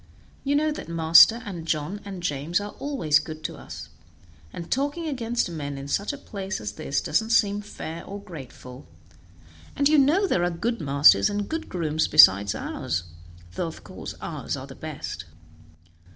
You know that master, and John and James are always good to us, and talking against men in such a place as this doesn't seem fair or grateful, and you know there are good masters and good grooms beside ours, though of course ours are the best."